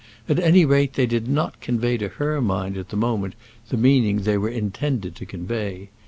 At any rate they did not convey to her mind at the moment the meaning they were intended to convey.